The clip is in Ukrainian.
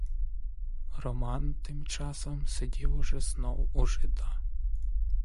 Роман тим часом сидів уже знов у жида.